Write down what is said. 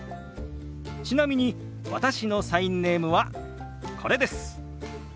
ちなみに私のサインネームはこれです。